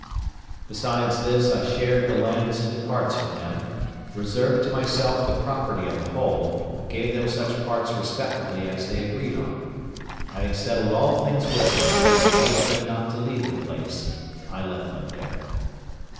Besides this, I shared the lands into parts with them, reserved to myself the property of the whole, but gave them such parts respectively as they agreed on; and having settled all things with them, and engaged them not to leave the place, I left them there.